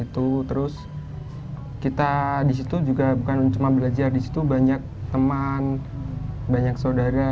terus kita di situ juga bukan cuma belajar di situ banyak teman banyak saudara